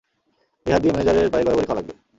এই হাত দিয়েই ম্যানেজারের পায়ে গড়াগড়ি খাওয়া লাগবে।